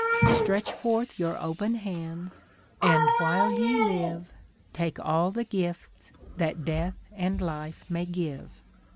Stretch forth your open hands, and while ye live Take all the gifts that Death and Life may give!"